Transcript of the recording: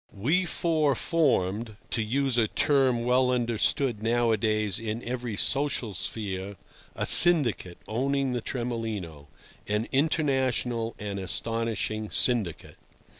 We four formed (to use a term well understood nowadays in every social sphere) a "syndicate" owning the Tremolino: an international and astonishing syndicate.